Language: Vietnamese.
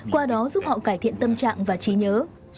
qua đó giúp họ cải thiện tâm trạng và trí nhớ